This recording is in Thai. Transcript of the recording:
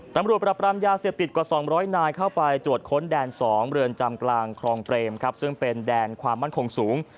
ตำรวจปรับปรามยาเสพติดกว่า๒๐๐นายเข้าไปตรวจค้นแดน๒เรือนจำกลางคลองเปรมครับซึ่งเป็นแดนความมั่นคงสูง